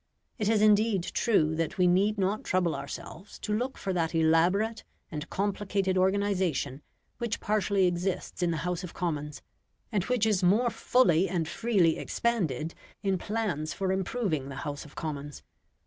It is indeed true that we need not trouble ourselves to look for that elaborate and complicated organisation which partially exists in the House of Commons, and which is more fully and freely expanded in plans for improving the House of Commons.